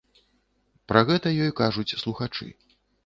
Пра гэта ёй кажуць слухачы.